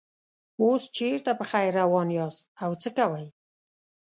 اوس چېرته په خیر روان یاست او څه کوئ.